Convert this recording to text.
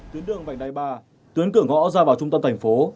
tuyến đường vành đai ba tuyến cửa ngõ ra vào trung tâm thành phố